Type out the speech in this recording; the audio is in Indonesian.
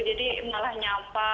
jadi malah nyapa